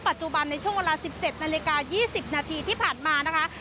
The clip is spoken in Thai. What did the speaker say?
ปัจจุบันในช่วงเวลาสิบเจ็ดนาฬิกายี่สิบนาทีที่ผ่านมานะคะ